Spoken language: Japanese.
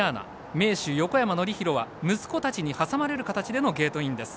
名手・横山典弘は息子たちに挟まれる形のゲートインです。